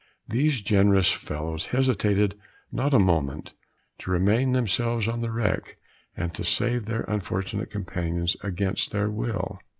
These generous fellows hesitated not a moment to remain themselves on the wreck, and to save their unfortunate companions against their will.